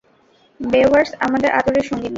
বেওয়্যার্স, আমার আদরের সঙ্গিনী!